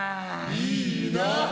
いいな！